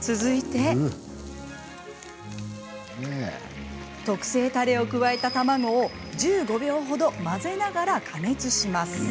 続いて特製たれを加えた卵を１５秒程混ぜながら加熱します。